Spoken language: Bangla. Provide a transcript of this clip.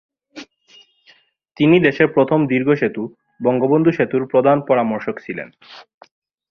তিনি দেশের প্রথম দীর্ঘ সেতু, বঙ্গবন্ধু সেতুর প্রধান পরামর্শক ছিলেন।